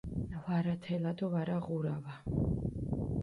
ვარა თელა დო ვარა ღურავა